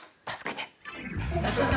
助けて。